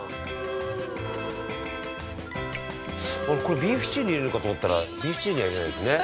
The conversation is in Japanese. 「これビーフシチューに入れるかと思ったらビーフシチューには入れないんですね」